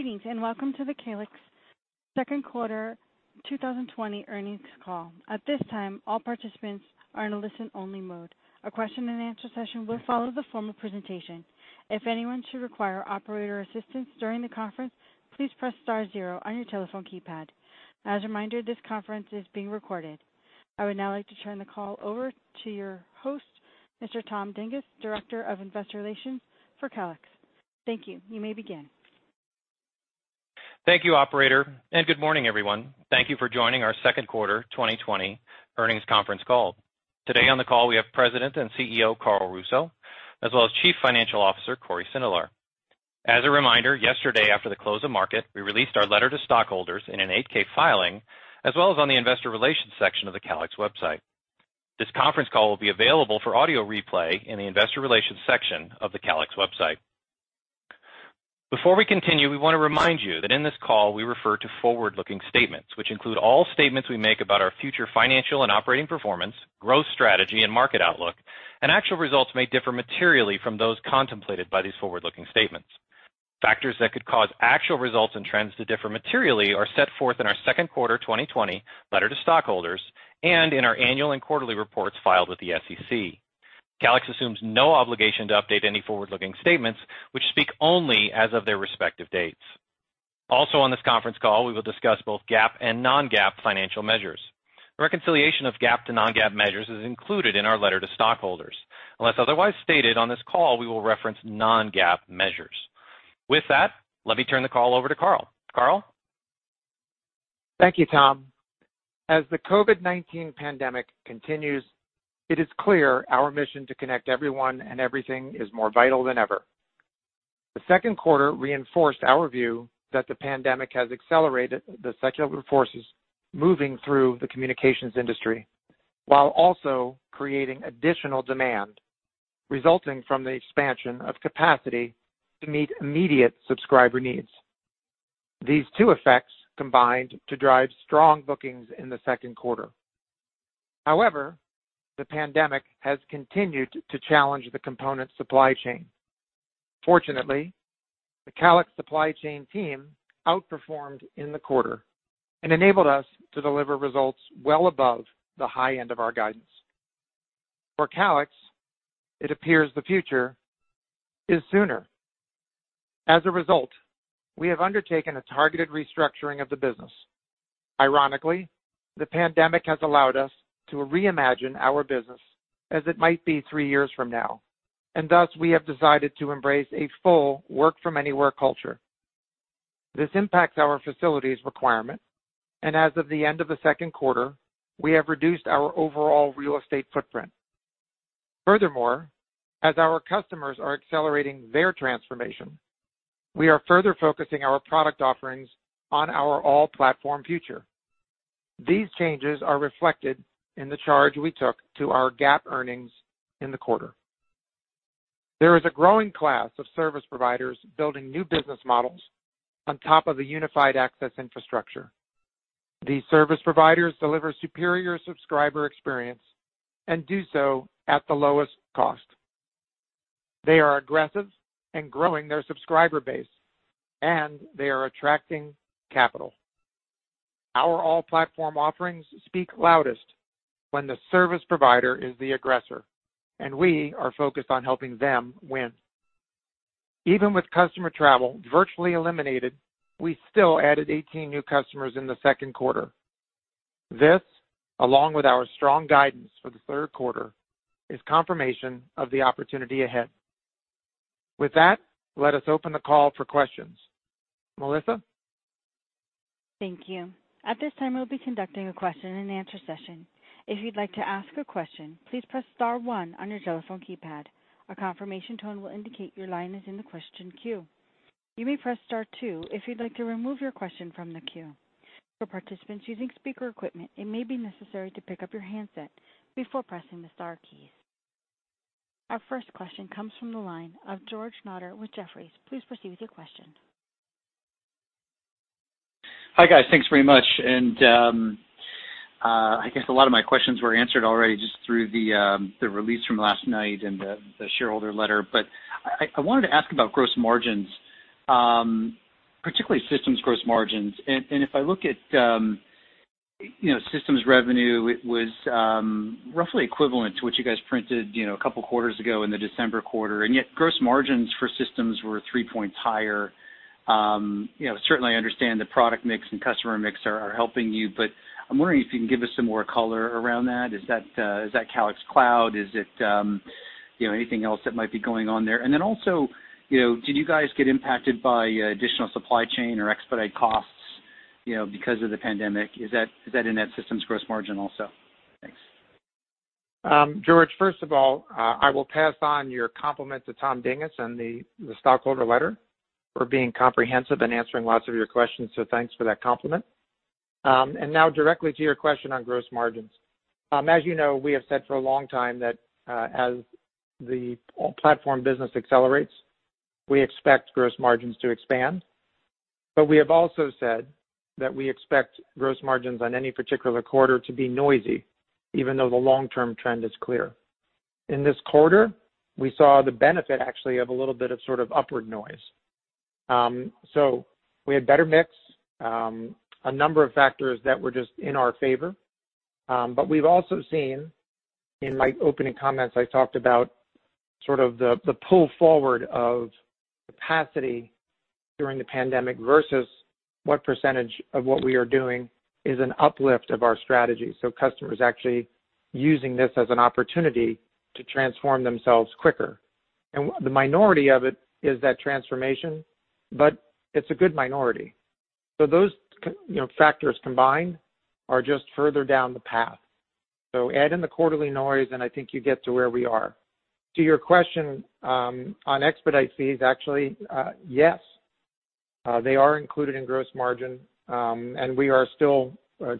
Greetings, and welcome to the Calix second quarter 2020 earnings call. At this time, all participants are in a listen-only mode. A question and answer session will follow the formal presentation. If anyone should require operator assistance during the conference, please press star zero on your telephone keypad. As a reminder, this conference is being recorded. I would now like to turn the call over to your host, Mr. Tom Dinges, Director of Investor Relations for Calix. Thank you. You may begin. Thank you, Operator, good morning, everyone. Thank you for joining our second quarter 2020 earnings conference call. Today on the call, we have President and CEO Carl Russo, as well as Chief Financial Officer Cory Sindelar. As a reminder, yesterday after the close of market, we released our letter to stockholders in an 8-K filing, as well as on the investor relations section of the Calix website. This conference call will be available for audio replay in the investor relations section of the Calix website. Before we continue, we want to remind you that in this call, we refer to forward-looking statements, which include all statements we make about our future financial and operating performance, growth strategy and market outlook, and actual results may differ materially from those contemplated by these forward-looking statements. Factors that could cause actual results and trends to differ materially are set forth in our second quarter 2020 letter to stockholders and in our annual and quarterly reports filed with the SEC. Calix assumes no obligation to update any forward-looking statements which speak only as of their respective dates. On this conference call, we will discuss both GAAP and non-GAAP financial measures. Reconciliation of GAAP to non-GAAP measures is included in our letter to stockholders. Unless otherwise stated on this call, we will reference non-GAAP measures. With that, let me turn the call over to Carl. Carl? Thank you, Tom. As the COVID-19 pandemic continues, it is clear our mission to connect everyone and everything is more vital than ever. The second quarter reinforced our view that the pandemic has accelerated the secular forces moving through the communications industry, while also creating additional demand resulting from the expansion of capacity to meet immediate subscriber needs. These two effects combined to drive strong bookings in the second quarter. However, the pandemic has continued to challenge the component supply chain. Fortunately, the Calix supply chain team outperformed in the quarter and enabled us to deliver results well above the high end of our guidance. For Calix, it appears the future is sooner. As a result, we have undertaken a targeted restructuring of the business. Ironically, the pandemic has allowed us to reimagine our business as it might be 3 years from now, and thus, we have decided to embrace a full work-from-anywhere culture. This impacts our facilities requirement, and as of the end of the second quarter, we have reduced our overall real estate footprint. Furthermore, as our customers are accelerating their transformation, we are further focusing our product offerings on our all-platform future. These changes are reflected in the charge we took to our GAAP earnings in the quarter. There is a growing class of service providers building new business models on top of the unified EXOS infrastructure. These service providers deliver superior subscriber experience and do so at the lowest cost. They are aggressive and growing their subscriber base, and they are attracting capital. Our all-platform offerings speak loudest when the service provider is the aggressor, and we are focused on helping them win. Even with customer travel virtually eliminated, we still added 18 new customers in the second quarter. This, along with our strong guidance for the third quarter, is confirmation of the opportunity ahead. With that, let us open the call for questions. Melissa? Thank you. At this time, we'll be conducting a question and answer session. If you'd like to ask a question, please press star 1 on your telephone keypad. A confirmation tone will indicate your line is in the question queue. You may press Star 2 if you'd like to remove your question from the queue. For participants using speaker equipment, it may be necessary to pick up your handset before pressing the star keys. Our first question comes from the line of George Notter with Jefferies. Please proceed with your question. Hi, guys. Thanks very much. I guess a lot of my questions were answered already just through the release from last night and the shareholder letter. I wanted to ask about gross margins, particularly systems gross margins. If I look at systems revenue, it was roughly equivalent to what you guys printed a couple quarters ago in the December quarter, and yet gross margins for systems were three points higher. Certainly, I understand the product mix and customer mix are helping you, but I'm wondering if you can give us some more color around that. Is that Calix Cloud? Is it anything else that might be going on there? Also, did you guys get impacted by additional supply chain or expedite costs because of the pandemic? Is that in that systems gross margin also? Thanks. George, first of all, I will pass on your compliment to Tom Dinges and the stockholder letter for being comprehensive and answering lots of your questions. Thanks for that compliment. Now directly to your question on gross margins. As you know, we have said for a long time that as the platform business accelerates, we expect gross margins to expand. We have also said that we expect gross margins on any particular quarter to be noisy, even though the long-term trend is clear. In this quarter, we saw the benefit actually of a little bit of sort of upward noise. We had better mix, a number of factors that were just in our favor. We've also seen, in my opening comments, I talked about sort of the pull forward of capacity during the pandemic versus what percentage of what we are doing is an uplift of our strategy. Customers actually using this as an opportunity to transform themselves quicker. The minority of it is that transformation, but it's a good minority. Those factors combined are just further down the path. Add in the quarterly noise, and I think you get to where we are. To your question on expedite fees, actually, yes, they are included in gross margin. We are still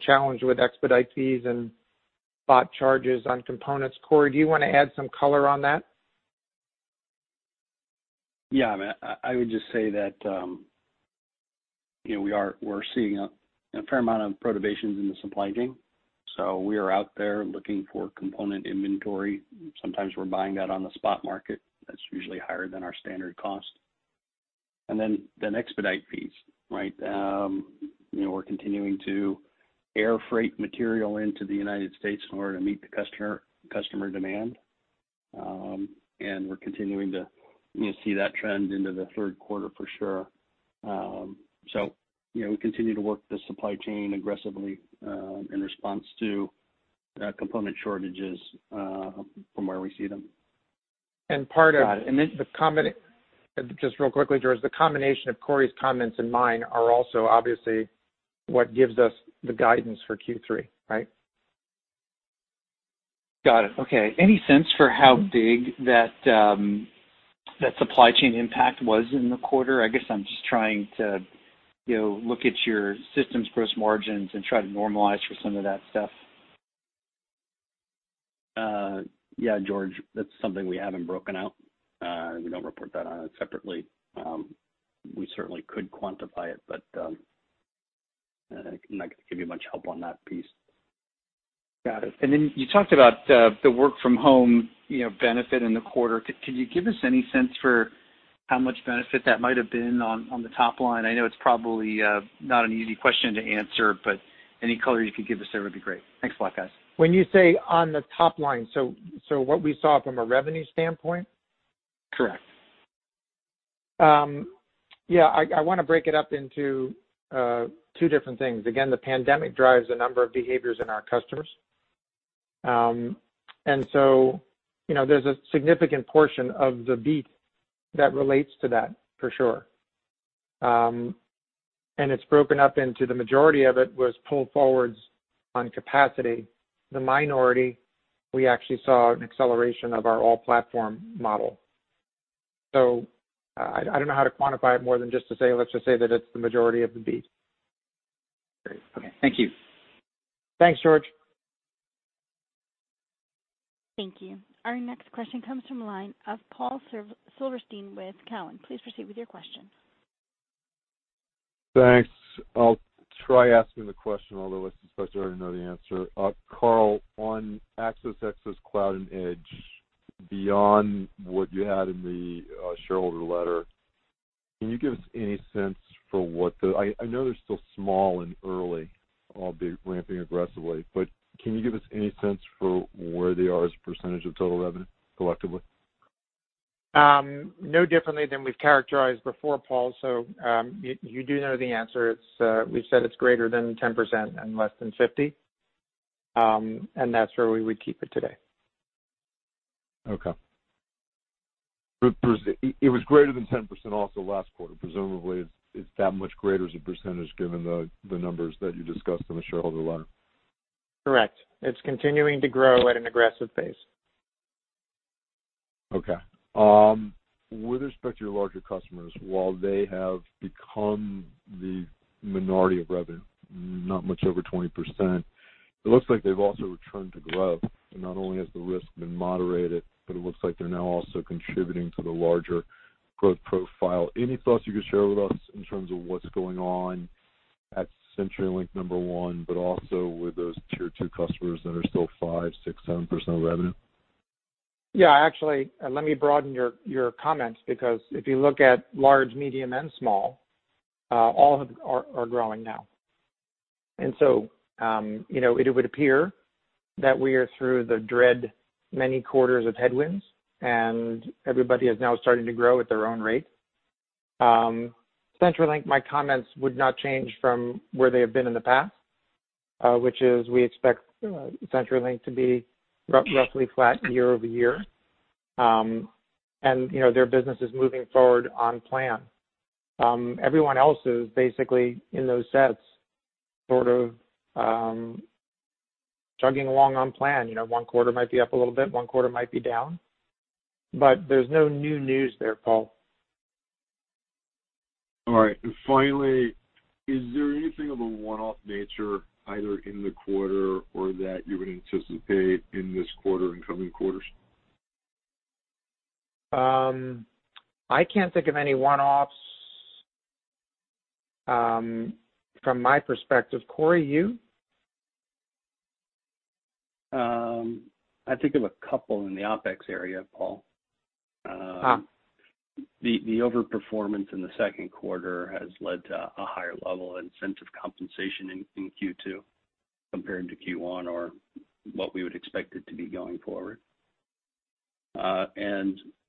challenged with expedite fees and spot charges on components. Cory, do you want to add some color on that? Yeah, I would just say that we're seeing a fair amount of perturbations in the supply chain. We are out there looking for component inventory. Sometimes we're buying that on the spot market. That's usually higher than our standard cost. Then expedite fees, right? We're continuing to air freight material into the U.S. in order to meet the customer demand. We're continuing to see that trend into the third quarter for sure. We continue to work the supply chain aggressively in response to component shortages from where we see them. Just real quickly, George, the combination of Cory's comments and mine are also obviously what gives us the guidance for Q3, right? Got it. Okay. Any sense for how big that supply chain impact was in the quarter? I guess I'm just trying to look at your systems gross margins and try to normalize for some of that stuff. Yeah, George, that's something we haven't broken out. We don't report that out separately. We certainly could quantify it, but I'm not going to give you much help on that piece. Got it. Then you talked about the work from home benefit in the quarter. Could you give us any sense for how much benefit that might have been on the top line? I know it's probably not an easy question to answer, but any color you could give us there would be great. Thanks a lot, guys. When you say on the top line, what we saw from a revenue standpoint? Correct. I want to break it up into two different things. Again, the pandemic drives a number of behaviors in our customers. There's a significant portion of the beat that relates to that for sure. It's broken up into the majority of it was pull forwards on capacity. The minority, we actually saw an acceleration of our all-platform model. I don't know how to quantify it more than just to say, let's just say that it's the majority of the beat. Great. Okay. Thank you. Thanks, George. Thank you. Our next question comes from the line of Paul Silverstein with Cowen. Please proceed with your question. Thanks. I'll try asking the question, although I suspect I already know the answer. Carl, on Access, AXOS, Cloud, and Edge, beyond what you had in the shareholder letter, can you give us any sense for what the I know they're still small and early, albeit ramping aggressively, but can you give us any sense for where they are as a percentage of total revenue collectively? No differently than we've characterized before, Paul, you do know the answer. We've said it's greater than 10% and less than 50, that's where we would keep it today. Okay. It was greater than 10% also last quarter. Presumably, it's that much greater as a percentage, given the numbers that you discussed in the shareholder letter. Correct. It's continuing to grow at an aggressive pace. Okay. With respect to your larger customers, while they have become the minority of revenue, not much over 20%, it looks like they've also returned to growth. Not only has the risk been moderated, but it looks like they're now also contributing to the larger growth profile. Any thoughts you could share with us in terms of what's going on at CenturyLink, number one, but also with those tier two customers that are still five, six, seven percent of revenue? Yeah, actually, let me broaden your comment, because if you look at large, medium, and small, all are growing now. It would appear that we are through the dread many quarters of headwinds, and everybody is now starting to grow at their own rate. CenturyLink, my comments would not change from where they have been in the past, which is we expect CenturyLink to be roughly flat year-over-year. Their business is moving forward on plan. Everyone else is basically in those sets, sort of chugging along on plan. One quarter might be up a little bit, one quarter might be down, but there's no new news there, Paul. All right. Finally, is there anything of a one-off nature either in the quarter or that you would anticipate in this quarter and coming quarters? I can't think of any one-offs from my perspective. Cory, you? I think of a couple in the OpEx area, Paul. The over-performance in the second quarter has led to a higher level incentive compensation in Q2 compared to Q1 or what we would expect it to be going forward.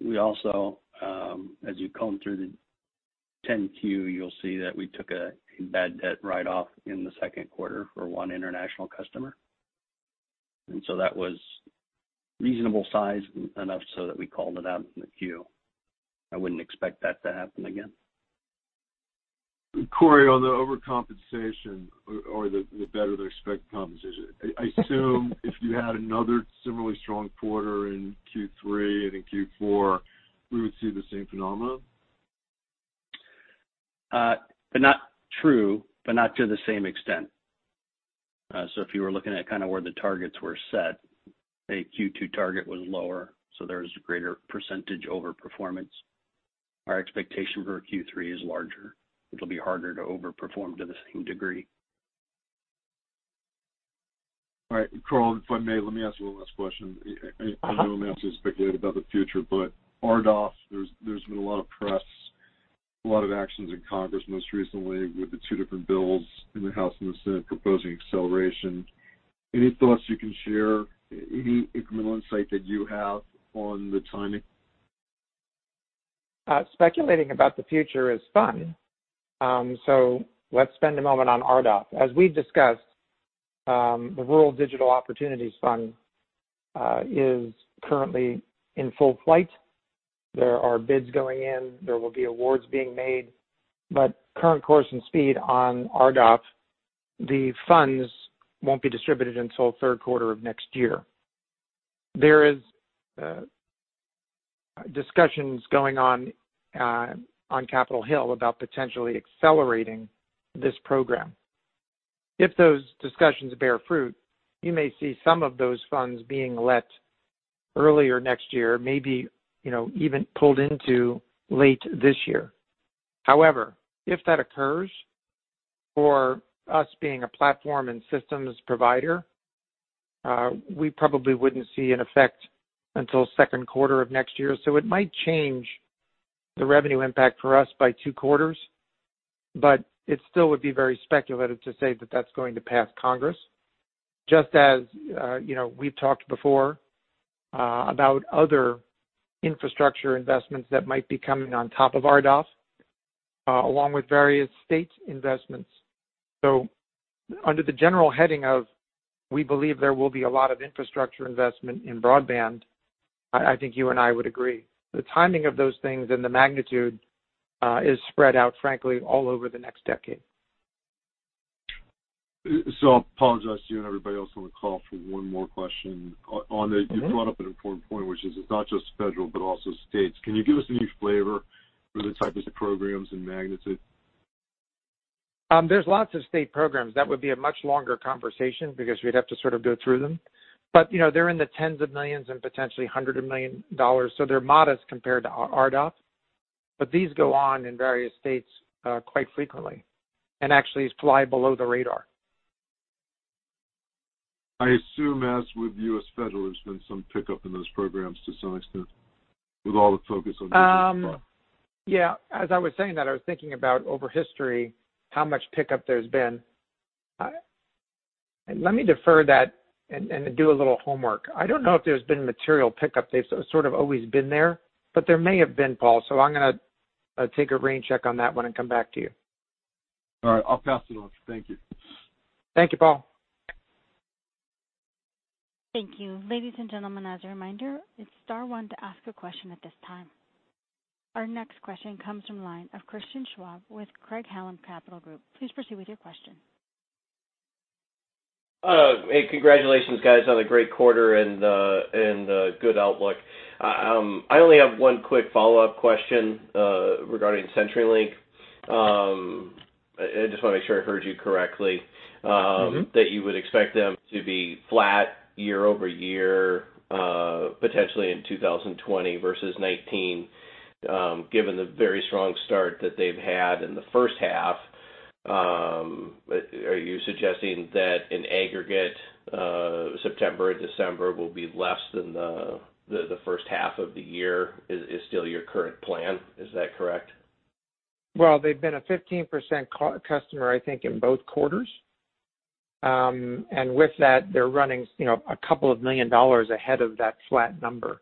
We also, as you comb through the 10-Q, you'll see that we took a bad debt write-off in the second quarter for one international customer. That was reasonable size, enough so that we called it out in the Q. I wouldn't expect that to happen again. Cory, on the overcompensation or the better-than-expected compensation, I assume if you had another similarly strong quarter in Q3 and in Q4, we would see the same phenomenon? True, but not to the same extent. If you were looking at where the targets were set, a Q2 target was lower, so there was a greater % overperformance. Our expectation for Q3 is larger. It'll be harder to overperform to the same degree. All right. Cory, if I may, let me ask you one last question. I know I'm asking to speculate about the future. RDOF, there's been a lot of press, a lot of actions in Congress most recently with the two different bills in the House and the Senate proposing acceleration. Any thoughts you can share, any incremental insight that you have on the timing? Speculating about the future is fun. Let's spend a moment on RDOF. As we've discussed, the Rural Digital Opportunity Fund is currently in full flight. There are bids going in. There will be awards being made. Current course and speed on RDOF, the funds won't be distributed until the third quarter of next year. There is discussions going on on Capitol Hill about potentially accelerating this program. If those discussions bear fruit, you may see some of those funds being let earlier next year, maybe even pulled into late this year. If that occurs, for us being a platform and systems provider, we probably wouldn't see an effect until the second quarter of next year. It might change the revenue impact for us by two quarters, but it still would be very speculative to say that that's going to pass Congress, just as we've talked before about other infrastructure investments that might be coming on top of RDOF, along with various state investments. Under the general heading of, we believe there will be a lot of infrastructure investment in broadband, I think you and I would agree. The timing of those things and the magnitude is spread out, frankly, all over the next decade. I'll apologize to you and everybody else on the call for one more question. You brought up an important point, which is it's not just federal, but also states. Can you give us any flavor for the types of programs and magnitude? There's lots of state programs. That would be a much longer conversation because we'd have to sort of go through them. They're in the tens of millions and potentially hundreds of million dollars. They're modest compared to RDOF. These go on in various states quite frequently and actually fly below the radar. I assume, as with U.S. federal, there's been some pickup in those programs to some extent with all the focus on RDOF. Yeah. As I was saying that, I was thinking about over history, how much pickup there's been. Let me defer that and do a little homework. I don't know if there's been material pickup. They've sort of always been there, but there may have been, Paul. I'm going to take a rain check on that one and come back to you. All right. I'll pass it on. Thank you. Thank you, Paul. Thank you. Ladies and gentlemen, as a reminder, it is star one to ask a question at this time. Our next question comes from the line of Christian Schwab with Craig-Hallum Capital Group. Please proceed with your question. Hey, congratulations, guys, on a great quarter and a good outlook. I only have one quick follow-up question regarding CenturyLink. I just want to make sure I heard you correctly. That you would expect them to be flat year-over-year, potentially in 2020 versus 2019, given the very strong start that they've had in the first half. Are you suggesting that in aggregate, September and December will be less than the first half of the year is still your current plan? Is that correct? Well, they've been a 15% customer, I think, in both quarters. With that, they're running a couple of million dollars ahead of that flat number.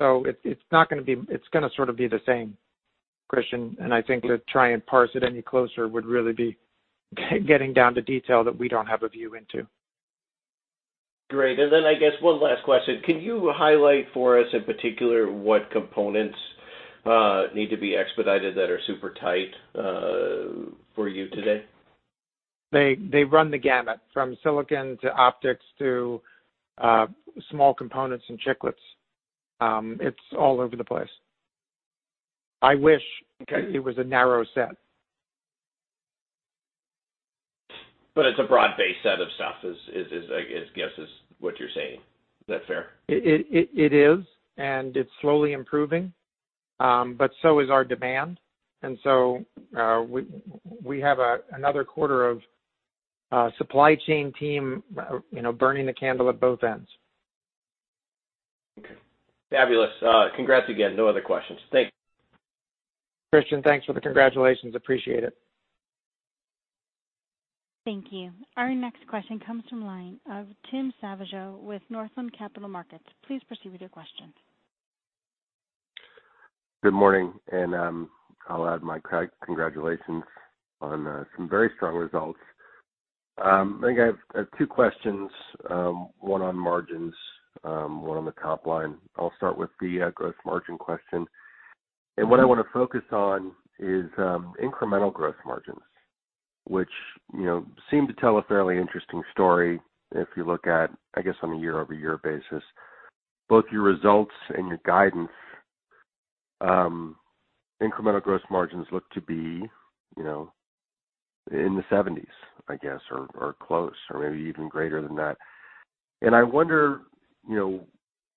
It's going to sort of be the same, Christian, and I think to try and parse it any closer would really be getting down to detail that we don't have a view into. Great. I guess one last question. Can you highlight for us, in particular, what components need to be expedited that are super tight for you today? They run the gamut from silicon to optics to small components and chiplets. It's all over the place. I wish it was a narrow set. It's a broad-based set of stuff, I guess is what you're saying. Is that fair? It is, and it's slowly improving. So is our demand. So we have another quarter of supply chain team burning the candle at both ends. Okay. Fabulous. Congrats again. No other questions. Thanks. Christian, thanks for the congratulations. Appreciate it. Thank you. Our next question comes from line of Timothy Savageaux with Northland Capital Markets. Please proceed with your questions. Good morning, I'll add my congratulations on some very strong results. I think I have two questions, one on margins, one on the top line. I'll start with the gross margin question. What I want to focus on is incremental gross margins, which seem to tell a fairly interesting story if you look at, I guess, on a year-over-year basis. Both your results and your guidance, incremental gross margins look to be in the 70s, I guess, or close, or maybe even greater than that. I wonder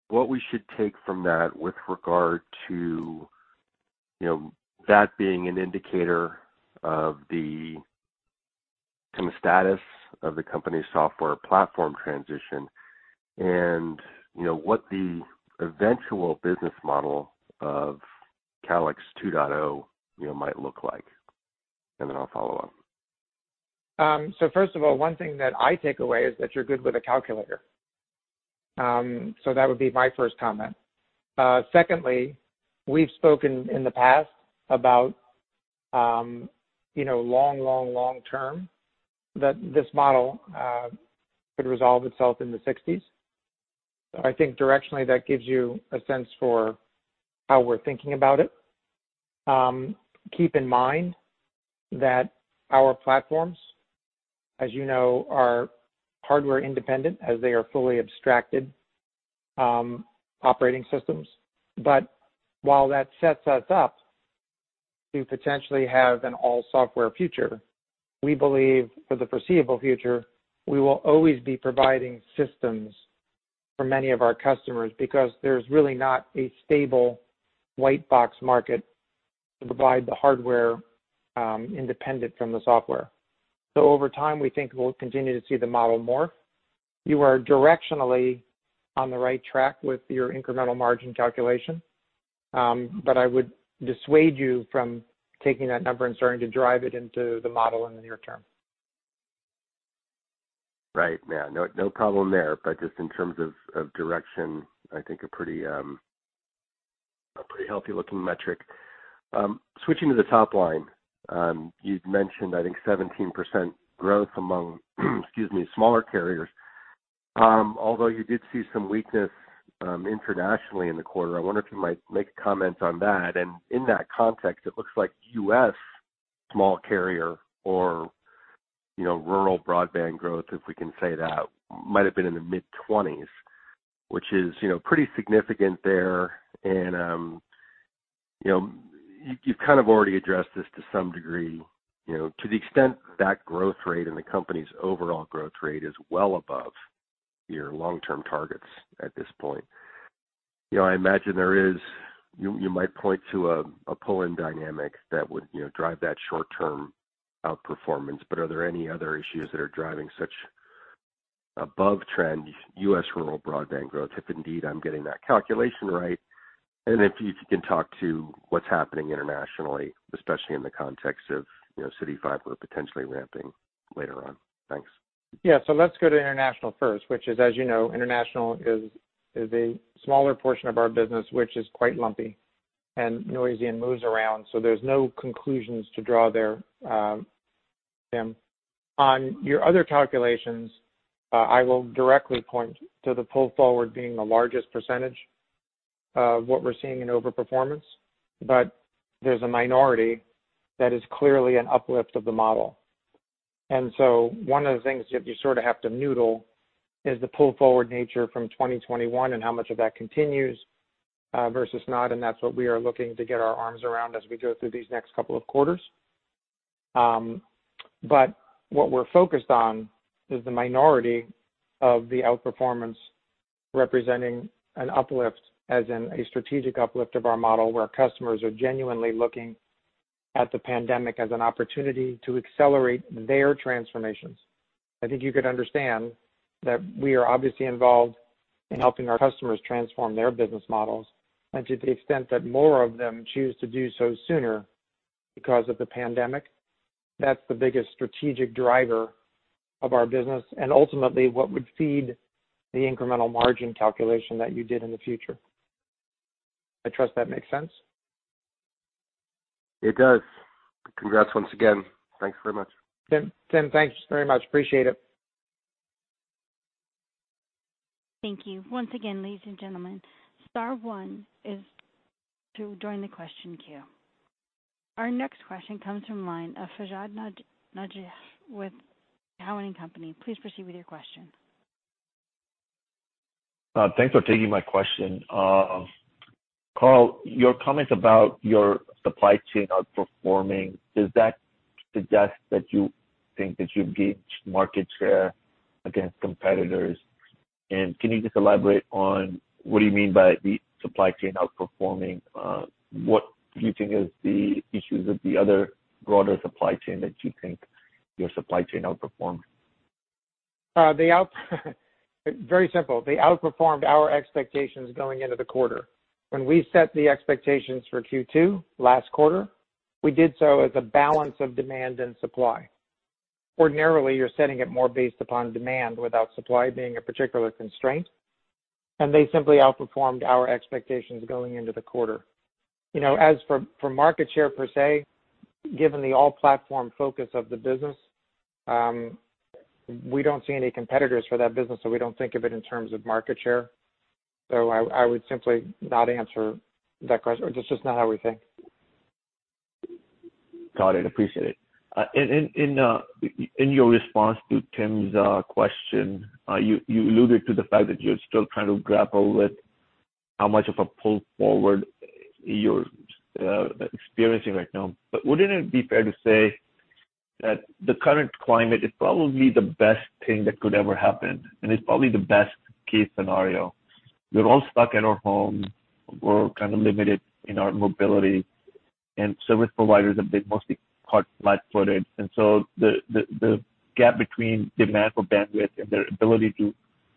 what we should take from that with regard to that being an indicator of the status of the company's software platform transition and what the eventual business model of Calix 2.0 might look like. I'll follow up. First of all, one thing that I take away is that you're good with a calculator. Secondly, we've spoken in the past about long term, that this model could resolve itself in the 60s. I think directionally, that gives you a sense for how we're thinking about it. Keep in mind that our platforms, as you know, are hardware independent as they are fully abstracted operating systems. While that sets us up to potentially have an all-software future, we believe for the foreseeable future, we will always be providing systems for many of our customers because there's really not a stable white box market to provide the hardware independent from the software. Over time, we think we'll continue to see the model morph. You are directionally on the right track with your incremental margin calculation, but I would dissuade you from taking that number and starting to drive it into the model in the near term. Right. Yeah. No problem there. Just in terms of direction, I think a pretty healthy looking metric. Switching to the top line. You'd mentioned, I think 17% growth among, excuse me, smaller carriers. You did see some weakness internationally in the quarter, I wonder if you might make a comment on that. In that context, it looks like U.S. small carrier or rural broadband growth, if we can say that, might have been in the mid-20s, which is pretty significant there. You've kind of already addressed this to some degree. To the extent that growth rate and the company's overall growth rate is well above your long-term targets at this point. I imagine you might point to a pull-in dynamic that would drive that short-term outperformance, are there any other issues that are driving such above-trend U.S. rural broadband growth, if indeed I'm getting that calculation right? If you can talk to what's happening internationally, especially in the context of CityFibre potentially ramping later on. Thanks. Yeah. Let's go to international first, which is, as you know, international is a smaller portion of our business, which is quite lumpy and noisy and moves around. There's no conclusions to draw there, Tim. On your other calculations, I will directly point to the pull forward being the largest percentage of what we're seeing in over-performance, but there's a minority that is clearly an uplift of the model. One of the things that you sort of have to noodle is the pull-forward nature from 2021 and how much of that continues versus not, and that's what we are looking to get our arms around as we go through these next couple of quarters. What we're focused on is the minority of the outperformance representing an uplift, as in a strategic uplift of our model, where customers are genuinely looking at the pandemic as an opportunity to accelerate their transformations. I think you could understand that we are obviously involved in helping our customers transform their business models. To the extent that more of them choose to do so sooner because of the pandemic, that's the biggest strategic driver of our business, and ultimately what would feed the incremental margin calculation that you did in the future. I trust that makes sense. It does. Congrats once again. Thanks very much. Tim, thanks very much. Appreciate it. Thank you. Once again, ladies and gentlemen, star one is to join the question queue. Our next question comes from line of [Fahd Najjar] with Cowen and Company. Please proceed with your question. Thanks for taking my question. Carl, your comments about your supply chain outperforming, does that suggest that you think that you've gained market share against competitors? Can you just elaborate on what do you mean by the supply chain outperforming? What do you think is the issues with the other broader supply chain that you think your supply chain outperformed? Very simple. They outperformed our expectations going into the quarter. When we set the expectations for Q2 last quarter, we did so as a balance of demand and supply. Ordinarily, you're setting it more based upon demand without supply being a particular constraint, and they simply outperformed our expectations going into the quarter. As for market share per se, given the all-platform focus of the business, we don't see any competitors for that business, so we don't think of it in terms of market share. I would simply not answer that question. That's just not how we think. Got it. Appreciate it. In your response to Tim's question, you alluded to the fact that you're still trying to grapple with how much of a pull forward you're experiencing right now. Wouldn't it be fair to say that the current climate is probably the best thing that could ever happen, and it's probably the best-case scenario? We're all stuck in our homes. We're kind of limited in our mobility, and service providers have been mostly caught flat-footed. The gap between demand for bandwidth and their ability to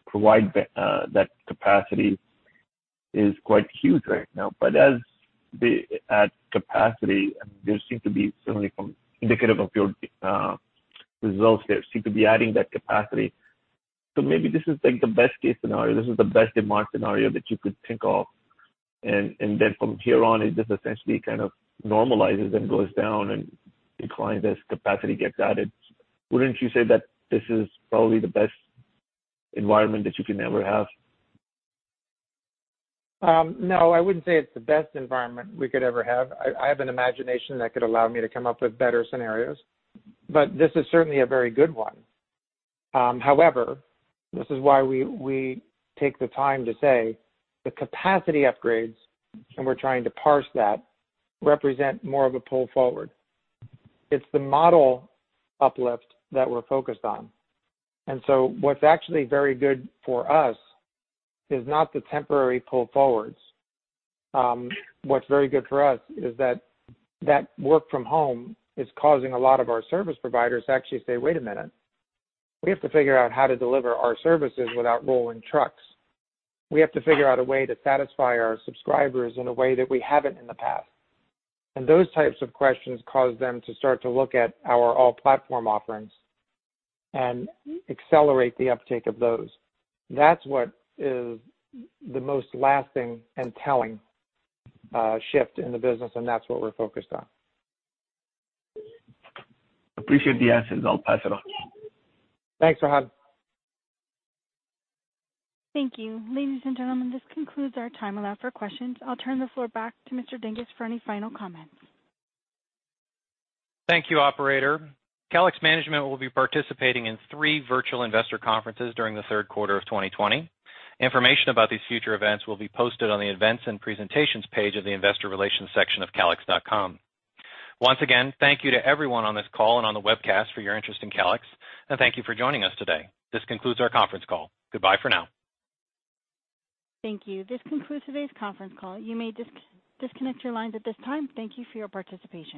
provide that capacity is quite huge right now. As capacity, they seem to be certainly indicative of your results there, seem to be adding that capacity. Maybe this is the best-case scenario. This is the best demand scenario that you could think of, and then from here on, it just essentially kind of normalizes and goes down and declines as capacity gets added. Wouldn't you say that this is probably the best environment that you can ever have? No, I wouldn't say it's the best environment we could ever have. I have an imagination that could allow me to come up with better scenarios, but this is certainly a very good one. This is why we take the time to say the capacity upgrades, and we're trying to parse that, represent more of a pull forward. It's the model uplift that we're focused on. What's actually very good for us is not the temporary pull forwards. What's very good for us is that work from home is causing a lot of our service providers to actually say, "Wait a minute. We have to figure out how to deliver our services without rolling trucks. We have to figure out a way to satisfy our subscribers in a way that we haven't in the past. Those types of questions cause them to start to look at our all-platform offerings and accelerate the uptake of those. That's what is the most lasting and telling shift in the business, and that's what we're focused on. Appreciate the answers. I'll pass it on. Thanks, Rohan. Thank you. Ladies and gentlemen, this concludes our time allowed for questions. I'll turn the floor back to Mr. Dinges for any final comments. Thank you, operator. Calix management will be participating in three virtual investor conferences during the third quarter of 2020. Information about these future events will be posted on the Events and Presentations page of the investor relations section of calix.com. Once again, thank you to everyone on this call and on the webcast for your interest in Calix. Thank you for joining us today. This concludes our conference call. Goodbye for now. Thank you. This concludes today's conference call. You may disconnect your lines at this time. Thank you for your participation.